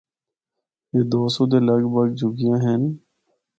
اے دو سو دے لگ بھک جھگیاں ہن۔